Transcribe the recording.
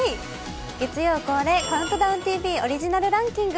月曜恒例「ＣＤＴＶ」オリジナルランキング